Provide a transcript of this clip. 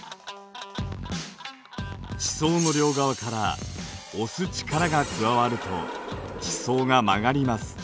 地殻の両側から押す力が加わると地層が曲がります。